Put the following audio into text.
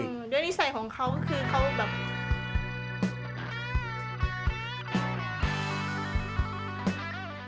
โดยนิสัยของเขาคือเขาแบบ